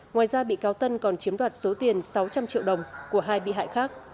ngoài ra bị cáo tân còn chiếm đoạt số tiền sáu trăm linh triệu đồng của hai bị hại khác